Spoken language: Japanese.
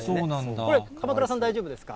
これ、鎌倉さん、大丈夫ですか。